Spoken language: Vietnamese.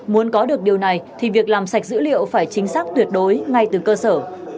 muốn có được điều này thì việc làm sạch dữ liệu phải chính xác tuyệt đối ngay từ cơ sở